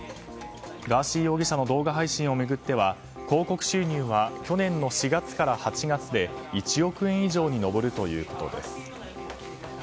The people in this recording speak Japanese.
ガーシー容疑者の動画配信を巡っては広告収入は去年の４月から８月で１億円以上に上るということです。